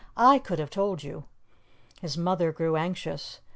I could have told you." His mother grew anxious.